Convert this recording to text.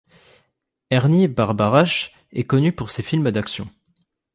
Ernie Barbarash est connu pour ses films d'action.